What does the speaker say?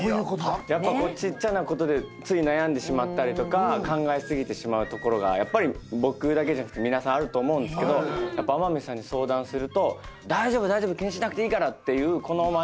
やっぱこうちっちゃなことでつい悩んでしまったりとか考え過ぎてしまうところが僕だけじゃなくて皆さんあると思うんですけど天海さんに相談すると「大丈夫大丈夫気にしなくていいから」っていうこのマインドで解決してくれたりとか。